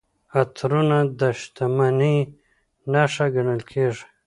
عطرونه د شتمنۍ نښه ګڼل کیږي.